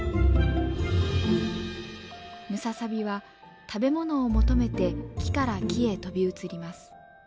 ムササビは食べ物を求めて木から木へ飛び移ります。